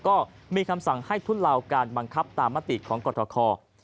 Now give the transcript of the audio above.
ก็มีคำสั่งให้ทุเลาการบังคับตามมติของกรทคอ